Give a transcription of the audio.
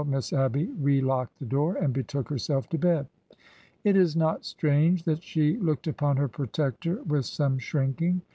Miss Abby relocked the door and betook herself to bed. It is not strange that she looked upon her protector with some shrinking.